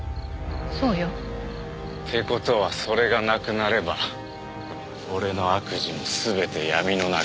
そうよ。って事はそれがなくなれば俺の悪事も全て闇の中か。